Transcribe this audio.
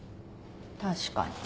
確かに。